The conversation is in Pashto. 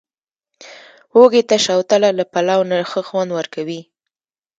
وږي ته، شوتله له پلاو نه ښه خوند ورکوي.